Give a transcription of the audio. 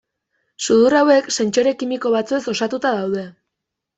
Sudur hauek, sentsore kimiko batzuez osatuta daude.